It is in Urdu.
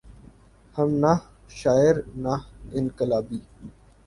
ہم نہ شاعر نہ انقلابی۔